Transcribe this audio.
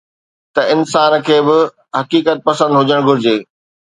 ته انسان کي به حقيقت پسند هجڻ گهرجي.